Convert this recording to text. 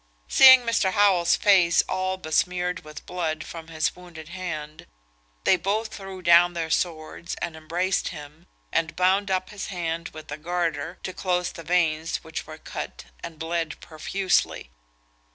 Seeing Mr. Howell's face all besmeared with blood from his wounded hand, they both threw down their swords and embraced him, and bound up his hand with a garter, to close the veins which were cut and bled profusely.